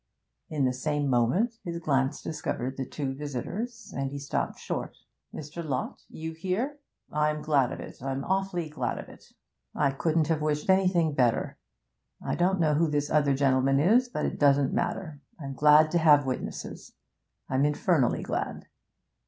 In the same moment his glance discovered the two visitors, and he stopped short. 'Mr. Lott, you here? I'm glad of it I'm awfully glad of it. I couldn't have wished anything better. I don't know who this other gentleman is, but it doesn't matter. I'm glad to have witnesses I'm infernally glad!